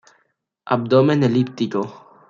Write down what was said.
Abdomen elíptico.